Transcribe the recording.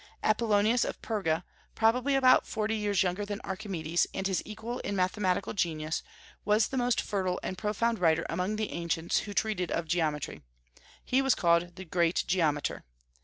Apollonius of Perga, probably about forty years younger than Archimedes, and his equal in mathematical genius, was the most fertile and profound writer among the ancients who treated of geometry. He was called the Great Geometer.